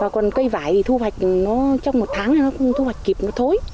còn cây vải thì thu hoạch trong một tháng thì nó không thu hoạch kịp nó thối